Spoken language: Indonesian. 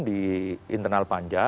di internal panja